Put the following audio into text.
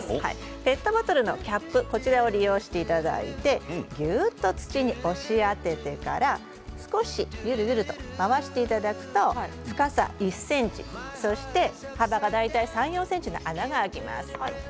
ペットボトルのキャップを利用していただいてぎゅっと土に押し当ててから少しぐるぐると回していただくと深さ１ｃｍそして幅が大体３ｃｍから４ｃｍの穴が開きます。